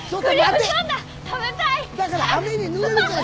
だから雨にぬれるから。